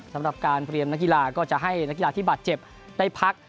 สำหรับการเตรียมนักกีฬาก็จะให้นักกีฬาที่บาดเจ็บได้พัก